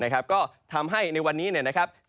ก็ทำให้ในวันนี้นะครับ